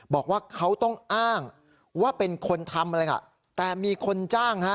บอกว่าเขาต้องอ้างว่าเป็นคนทำอะไรล่ะแต่มีคนจ้างฮะ